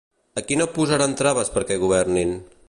A qui no posaran traves perquè governin?